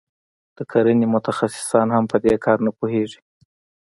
د کرنې متخصصان هم په دې کار نه پوهیږي.